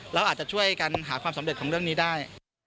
เราอาจจะช่วยกันหาความสำเร็จของเรื่องนี้ได้